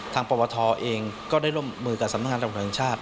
ทางประวัติธรรมเองก็ได้ร่วมมือกับสำนักงานตำรวจชาติ